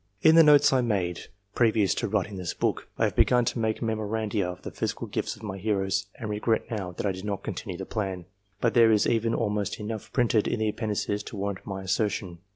In the notes I made, previous to writing this book, I had begun to make memoranda of the physical gifts of my heroes, and regret now, that I did not continue the plan, but there is even almost enough printed in the Appendices to warrant my assertion.